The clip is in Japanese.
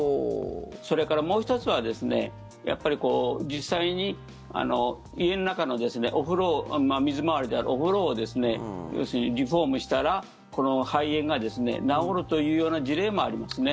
それから、もう１つはやっぱり実際に家の中のお風呂水回りであるお風呂を要するにリフォームしたら肺炎が治るというような事例もありますね。